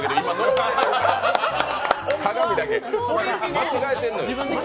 間違えてるのよ。